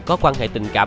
có quan hệ tình cảm